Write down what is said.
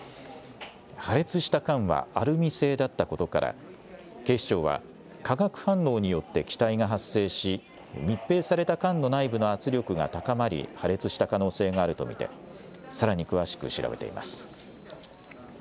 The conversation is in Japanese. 破裂した缶はアルミ製だったことから、警視庁は、化学反応によって気体が発生し、密閉された缶の内部の圧力が高まり、破裂した可能性があると見て、さらに詳しく調べています。